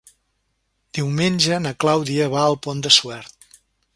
Diumenge na Clàudia va al Pont de Suert.